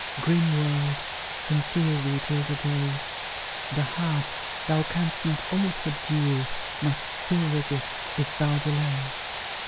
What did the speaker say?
Grim world, conceal thee till the day; The heart thou canst not all subdue Must still resist, if thou delay!